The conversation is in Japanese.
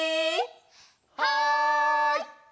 はい！